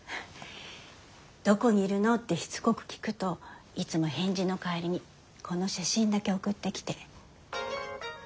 「どこにいるの？」ってしつこく聞くといつも返事の代わりにこの写真だけ送ってきて。